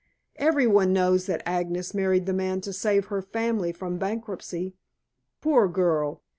Every one knows that Agnes married the man to save her family from bankruptcy. Poor girl!"